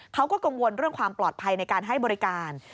เขาก็กังวลเรื่องความปลอดภัยในการให้บริการ